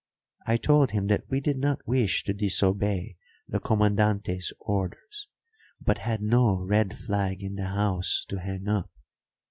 I told him that we did not wish to disobey the Comandante's orders, but had no red flag in the house to hang up.